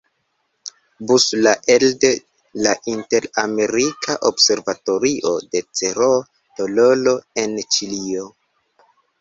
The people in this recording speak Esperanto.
Bus la elde la Inter-Amerika observatorio de Cerro Tololo en Ĉilio.